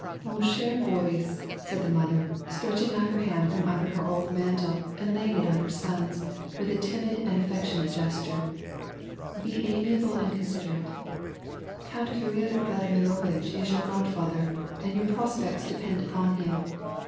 ^^ Man eher Boris/' said the mother, stretching out her hand from under her old mantle and laying it on her son's with a timid and affectionate gesture, ^'be amiable and con siderate. Count Kirill Vladimirovitch is your godfather, and your prospects depend upon him.